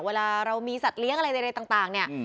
เวลาเรามีสัตว์เลี้ยงอะไรใดต่างเนี่ย